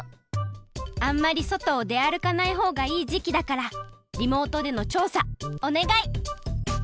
あんまりそとをであるかないほうがいいじきだからリモートでのちょうさおねがい！